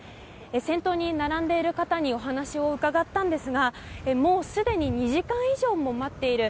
先頭に並んでいる方にお話を伺ったんですがもうすでに２時間以上も待っている。